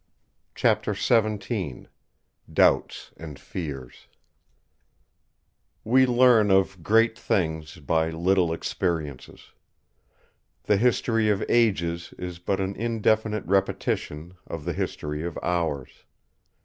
Chapter XVII Doubts and Fears We learn of great things by little experiences. The history of ages is but an indefinite repetition of the history of hours.